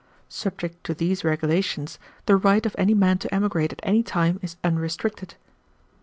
Subject to these regulations, the right of any man to emigrate at any time is unrestricted."